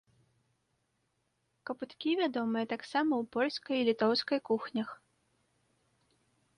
Капыткі вядомыя таксама ў польскай і літоўскай кухнях.